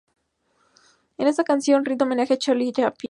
En esta canción, rinde homenaje a Charlie Chaplin.